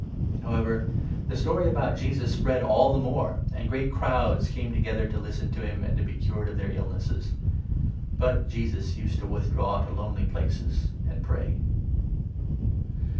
However, the story about 15 Jesus spread all the more, and great crowds came together to listen to him, and to be cured of their illnesses ; but Jesus 16 used to withdraw to lonely places and pray.